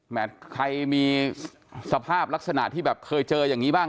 ใครมีสภาพลักษณะที่แบบเคยเจออย่างนี้บ้าง